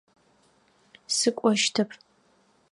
Сыкӏощтэп.